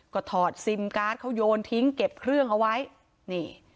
ก็ถอดซิมการ์ดเขาโยนทิ้งเก็บเครื่องเอาไว้นี่